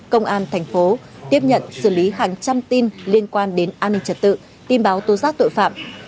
công an thành phố tiếp nhận xử lý hàng trăm tin liên quan đến an ninh trật tự tin báo tố giác tội phạm